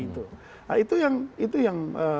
nah itu yang